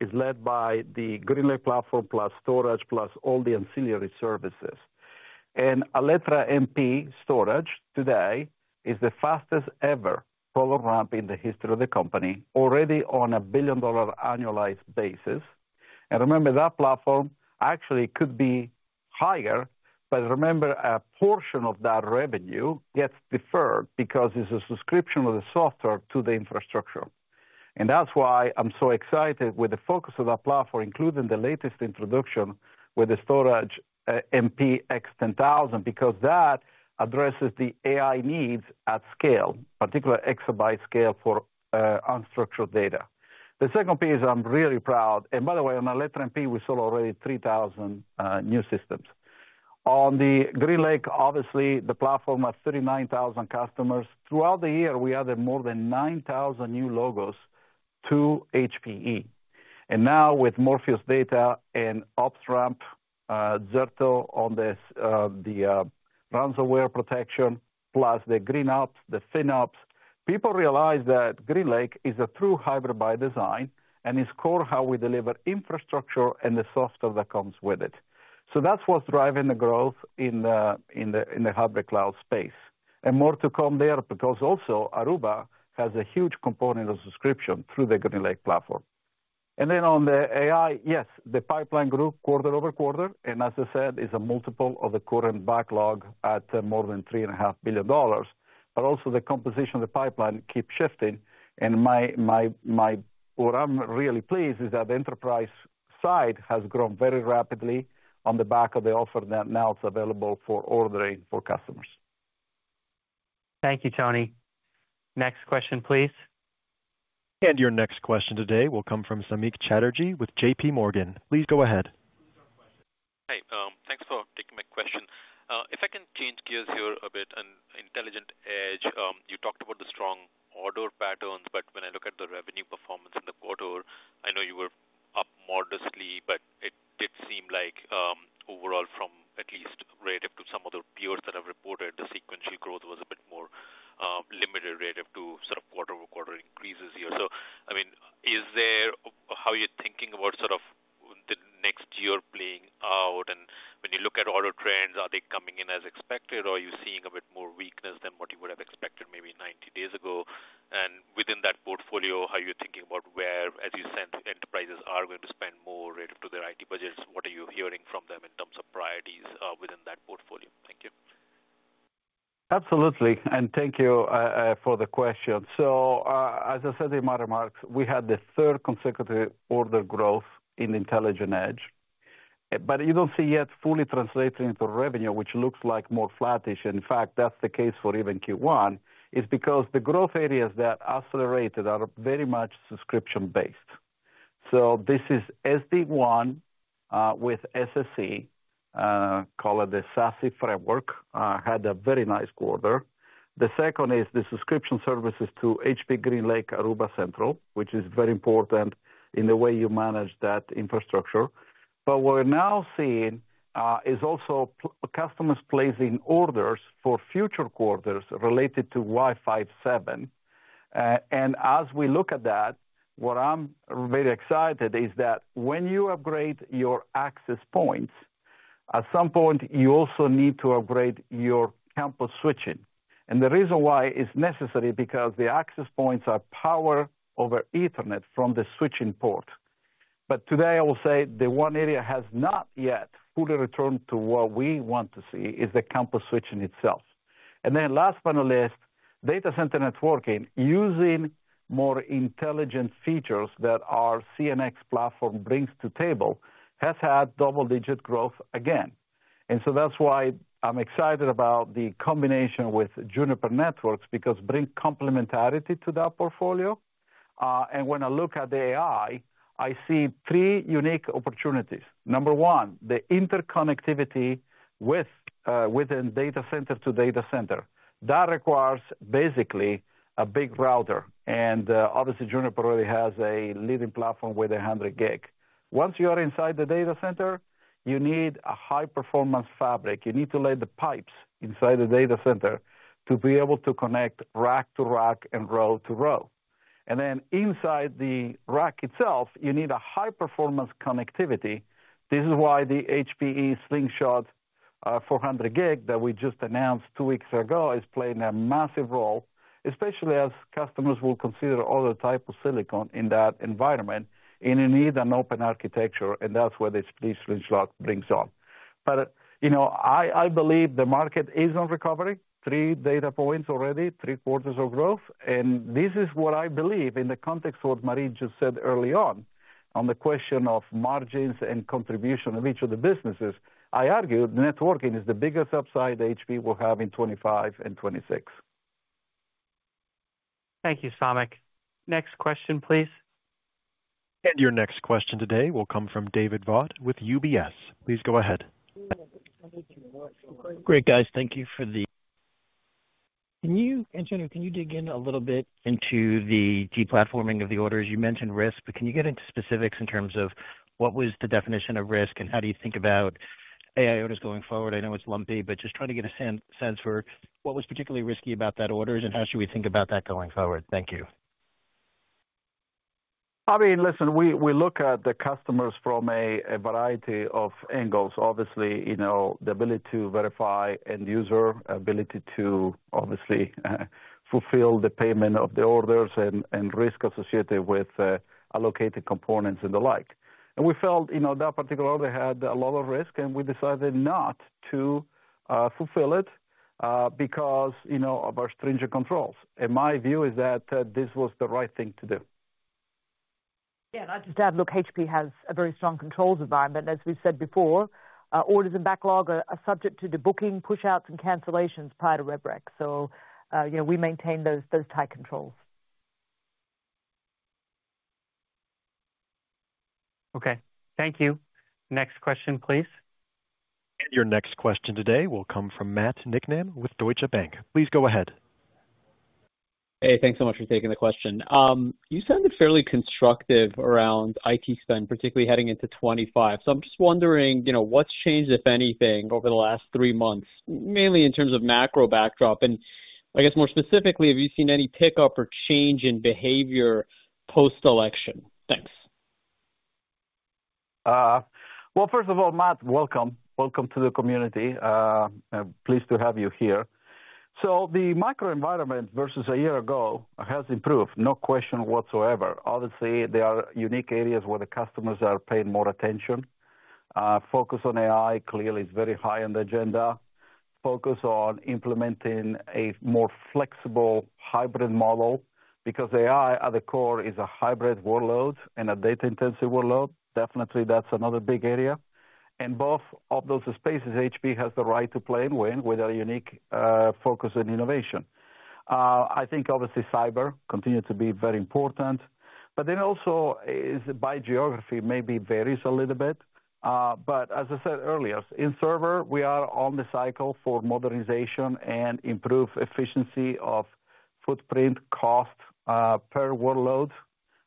is led by the GreenLake platform plus storage plus all the ancillary services. Alletra Storage MP today is the fastest-ever product ramp in the history of the company, already on a $1 billion annualized basis. Remember, that platform actually could be higher, but remember, a portion of that revenue gets deferred because it's a subscription of the software to the infrastructure. That's why I'm so excited with the focus of that platform, including the latest introduction with the Alletra Storage MP X10000, because that addresses the AI needs at scale, particularly exabyte scale for unstructured data. The second piece I'm really proud. By the way, on Alletra Storage MP, we sold already 3,000 new systems. On the GreenLake, obviously, the platform has 39,000 customers. Throughout the year, we added more than 9,000 new logos to HPE. And now with Morpheus Data and OpsRamp, Zerto on the ransomware protection, plus the GreenOps, the FinOps, people realize that GreenLake is a true hybrid by design and is core how we deliver infrastructure and the software that comes with it. So that's what's driving the growth in the hybrid cloud space. And more to come there because also Aruba has a huge component of subscription through the GreenLake platform. And then on the AI, yes, the pipeline grew quarter over quarter. And as I said, it's a multiple of the current backlog at more than $3.5 billion, but also the composition of the pipeline keeps shifting. And what I'm really pleased is that the enterprise side has grown very rapidly on the back of the offer that now it's available for ordering for customers. Thank you, Toni. Next question, please. And your next question today will come from Samik Chatterjee with J.P. Morgan. Please go ahead. Hi. Thanks for taking my question. If I can change gears here a bit on intelligent edge, you talked about the strong order patterns, but when I look at the revenue performance in the quarter, I know you were up modestly, but it did seem like overall, from at least relative to some of the peers that have reported, the sequential growth was a bit more limited relative to sort of quarter-over-quarter increases here. So I mean, is there how you're thinking about sort of the next year playing out? And when you look at order trends, are they coming in as expected, or are you seeing a bit more weakness than what you would have expected maybe 90 days ago? Within that portfolio, how are you thinking about where, as you said, enterprises are going to spend more relative to their IT budgets? What are you hearing from them in terms of priorities within that portfolio? Thank you. Absolutely. Thank you for the question. So as I said to you, Mark, we had the third consecutive order growth in intelligent edge, but you don't see yet fully translated into revenue, which looks like more flattish. In fact, that's the case for even Q1. It's because the growth areas that accelerated are very much subscription-based. So this is SD-WAN with SSE, call it the SASE framework, had a very nice quarter. The second is the subscription services to HPE GreenLake Aruba Central, which is very important in the way you manage that infrastructure. But what we're now seeing is also customers placing orders for future quarters related to Wi-Fi 7. And as we look at that, what I'm very excited is that when you upgrade your access points, at some point, you also need to upgrade your campus switching. And the reason why it's necessary is because the access points are powered over Ethernet from the switching port. But today, I will say the one area has not yet fully returned to what we want to see is the campus switching itself. And then last but not least, data center networking using more intelligent features that our CX platform brings to the table has had double-digit growth again. And so that's why I'm excited about the combination with Juniper Networks because it brings complementarity to that portfolio. And when I look at the AI, I see three unique opportunities. Number one, the interconnectivity within data center to data center. That requires basically a big router. And obviously, Juniper already has a leading platform with 100 gig. Once you are inside the data center, you need a high-performance fabric. You need to lay the pipes inside the data center to be able to connect rack to rack and row to row. And then inside the rack itself, you need a high-performance connectivity. This is why the HPE Slingshot 400 gig that we just announced two weeks ago is playing a massive role, especially as customers will consider other types of silicon in that environment and need an open architecture. And that's where the HPE Slingshot brings on. But I believe the market is on recovery, three data points already, three quarters of growth. This is what I believe in the context of what Marie just said early on on the question of margins and contribution of each of the businesses. I argue networking is the biggest upside HPE will have in 2025 and 2026. Thank you, Samik. Next question, please. And your next question today will come from David Vogt with UBS. Please go ahead. Great, guys. Thank you for the... Can you, Antonio, can you dig in a little bit into the deplatforming of the orders? You mentioned risk, but can you get into specifics in terms of what was the definition of risk and how do you think about AI orders going forward? I know it's lumpy, but just trying to get a sense for what was particularly risky about that orders and how should we think about that going forward? Thank you. I mean, listen, we look at the customers from a variety of angles. Obviously, the ability to verify end user, ability to obviously fulfill the payment of the orders and risk associated with allocated components and the like. And we felt that particular order had a lot of risk, and we decided not to fulfill it because of our stringent controls. And my view is that this was the right thing to do. Yeah, I just have to look. HPE has a very strong controls environment. As we said before, orders and backlog are subject to the booking, push-outs, and cancellations prior to Re Break. So we maintain those tight controls. Okay. Thank you. Next question, please. And your next question today will come from Matt Niknam with Deutsche Bank. Please go ahead. Hey, thanks so much for taking the question. You sounded fairly constructive around IT spend, particularly heading into 2025. So I'm just wondering what's changed, if anything, over the last three months, mainly in terms of macro backdrop. And I guess more specifically, have you seen any pickup or change in behavior post-election? Thanks. Well, first of all, Matt, welcome. Welcome to the community. Pleased to have you here. So the micro-environment versus a year ago has improved. No question whatsoever. Obviously, there are unique areas where the customers are paying more attention. Focus on AI clearly is very high on the agenda. Focus on implementing a more flexible hybrid model because AI at the core is a hybrid workload and a data-intensive workload. Definitely, that's another big area. And both of those spaces, HPE has the right to play and win with our unique focus on innovation. I think obviously cyber continues to be very important, but then also by geography maybe varies a little bit. But as I said earlier, in server, we are on the cycle for modernization and improved efficiency of footprint cost per workload.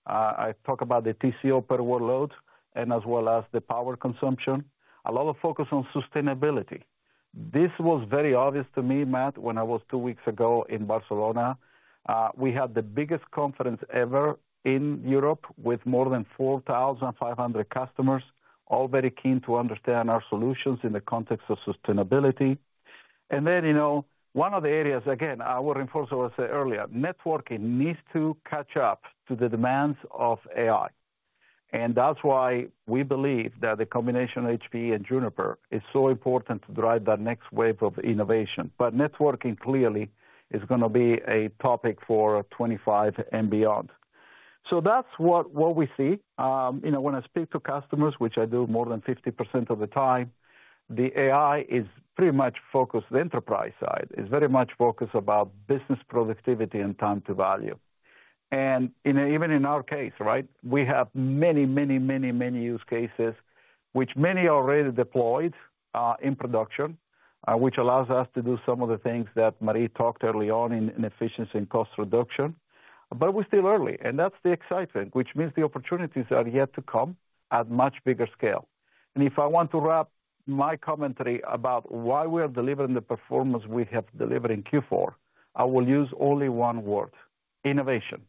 I talk about the TCO per workload and as well as the power consumption. A lot of focus on sustainability. This was very obvious to me, Matt, when I was two weeks ago in Barcelona. We had the biggest conference ever in Europe with more than 4,500 customers, all very keen to understand our solutions in the context of sustainability. And then one of the areas, again, I will reinforce what I said earlier, networking needs to catch up to the demands of AI. And that's why we believe that the combination of HPE and Juniper is so important to drive that next wave of innovation. But networking clearly is going to be a topic for 2025 and beyond. So that's what we see. When I speak to customers, which I do more than 50% of the time, the AI is pretty much focused on the enterprise side. It's very much focused about business productivity and time to value. And even in our case, right, we have many, many, many, many use cases which many are already deployed in production, which allows us to do some of the things that Marie talked early on in efficiency and cost reduction. But we're still early, and that's the excitement, which means the opportunities are yet to come at much bigger scale. And if I want to wrap my commentary about why we are delivering the performance we have delivered in Q4, I will use only one word: innovation.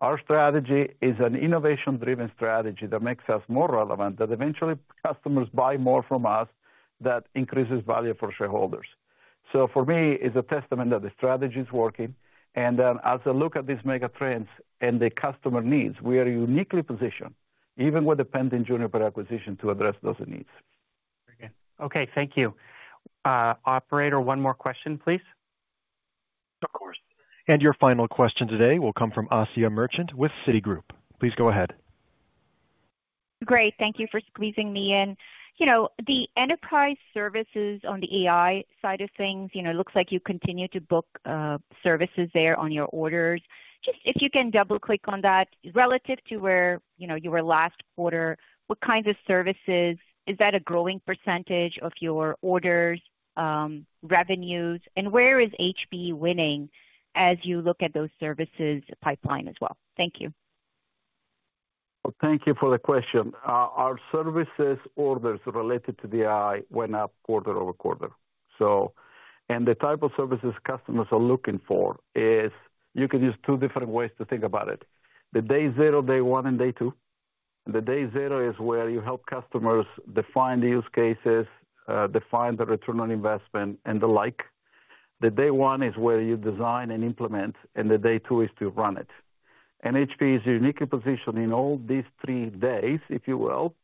Our strategy is an innovation-driven strategy that makes us more relevant, that eventually customers buy more from us, that increases value for shareholders. So for me, it's a testament that the strategy is working. And then as I look at these mega trends and the customer needs, we are uniquely positioned, even with the pending Juniper acquisition, to address those needs. Okay. Thank you. Operator, one more question, please. Of course. And your final question today will come from Asiya Merchant with Citigroup. Please go ahead. Great. Thank you for squeezing me in. The enterprise services on the AI side of things, it looks like you continue to book services there on your orders. Just if you can double-click on that relative to where you were last quarter, what kinds of services? Is that a growing percentage of your orders, revenues? And where is HPE winning as you look at those services pipeline as well? Thank you. Well, thank you for the question. Our services orders related to the AI went up quarter over quarter. And the type of services customers are looking for is you could use two different ways to think about it. The day zero, day one, and day two. The day one is where you design and implement, and the day two is to run it. And HPE is uniquely positioned in all these three days, if you will.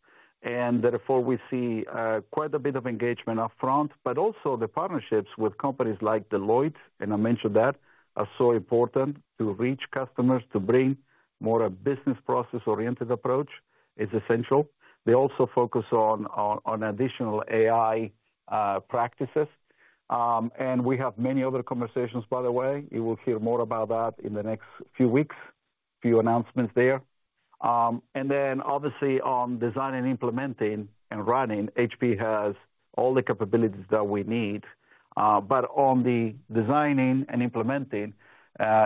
And therefore, we see quite a bit of engagement upfront, but also the partnerships with companies like Deloitte, and I mentioned that, are so important to reach customers to bring more of a business process-oriented approach. It's essential. They also focus on additional AI practices. And we have many other conversations, by the way. You will hear more about that in the next few weeks, a few announcements there. And then obviously on designing, implementing, and running, HPE has all the capabilities that we need. But on the designing and implementing,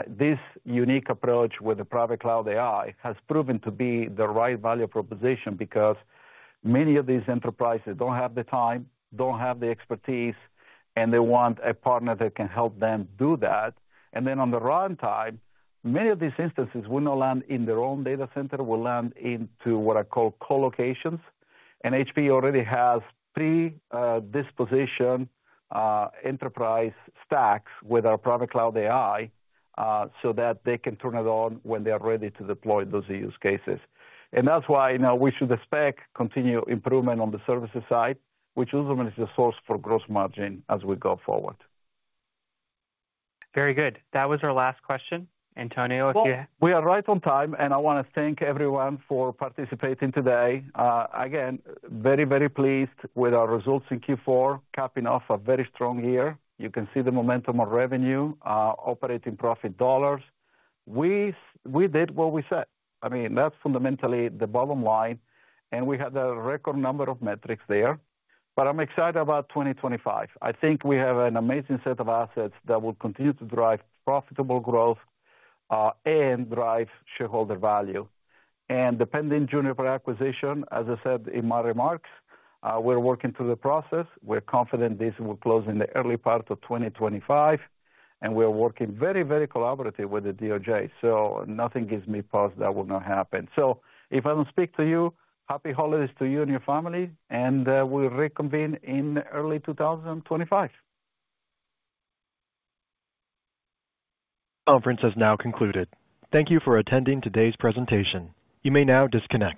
this unique approach with the private cloud AI has proven to be the right value proposition because many of these enterprises don't have the time, don't have the expertise, and they want a partner that can help them do that. And then on the run time, many of these instances will not land in their own data center, will land into what I call co-locations. And HPE already has pre-positioned enterprise stacks with our private cloud AI so that they can turn it on when they are ready to deploy those use cases. That's why we should expect continued improvement on the services side, which ultimately is the source for gross margin as we go forward. Very good. That was our last question. Antonio, if you... Well, we are right on time, and I want to thank everyone for participating today. Again, very, very pleased with our results in Q4, capping off a very strong year. You can see the momentum of revenue, operating profit dollars. We did what we said. I mean, that's fundamentally the bottom line, and we had a record number of metrics there. I'm excited about 2025. I think we have an amazing set of assets that will continue to drive profitable growth and drive shareholder value. The pending Juniper acquisition, as I said in my remarks, we're working through the process. We're confident this will close in the early part of 2025, and we're working very, very collaboratively with the DOJ. So nothing gives me pause that will not happen. So if I don't speak to you, happy holidays to you and your family, and we'll reconvene in early 2025. Conference has now concluded. Thank you for attending today's presentation. You may now disconnect.